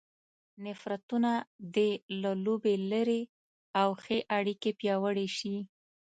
نفرتونه دې له لوبې لیرې او ښې اړیکې پیاوړې شي.